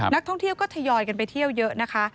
นักท่องเที่ยวก็ทยอยกันไปเที่ยวเยอะนะคะ